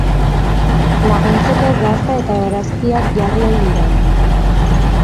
Laguntzeko gazta eta barazkiak jarri ohi dira.